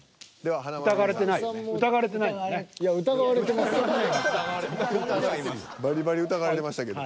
いやバリバリ疑われてましたけど。